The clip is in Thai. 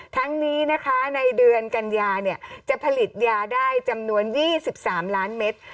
ทั้งนี้นะคะในเดือนกัญญาจะผลิตยาได้จำนวน๒๓ล้านเมตร